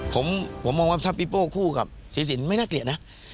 ผมมองว่าถ้าพี่โป้คู่กับสีสินไม่น่าเกลียดนะ